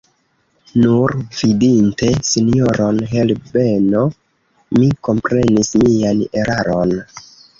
Nur vidinte sinjoron Herbeno, mi komprenis mian eraron.